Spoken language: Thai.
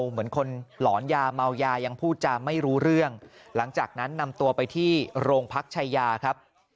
เหมือนคนหลอนยาเมายายังพูดจาไม่รู้เรื่องหลังจากนั้นนำตัวไปที่โรงพักชายาครับ